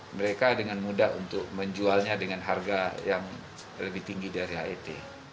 mereka dengan mudah untuk menjualnya dengan harga yang lebih tinggi dari het